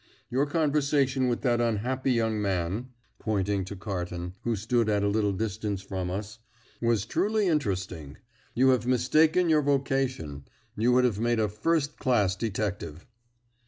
Your conversation with that unhappy young man" pointing to Carton, who stood at a little distance from us "was truly interesting. You have mistaken your vocation; you would have made a first class detective."